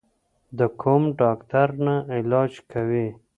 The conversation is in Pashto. د کوم ډاکټر نه علاج کوې؟